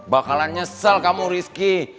bakalan nyesel kamu rizky